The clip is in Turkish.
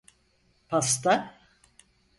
Pasta?